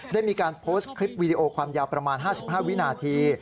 ได้มีการโพสต์คลิปวีดีโอความยาวประมาณ๕๕วินาที